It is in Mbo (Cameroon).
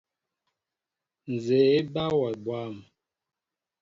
Nzѐe eba wɛ bwȃm.